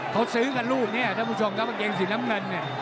เขาซื้อกันรูปเนี่ยถ้าผู้ชมกับเกงสีน้ำเงินเนี่ย